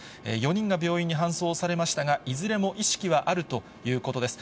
４人が病院に搬送されましたが、いずれも意識はあるということです。